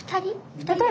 ２人？